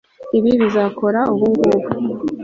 ibi bizakora ubungubu